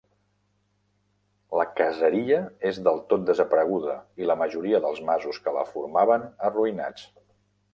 La caseria és del tot desapareguda, i la majoria dels masos que la formaven, arruïnats.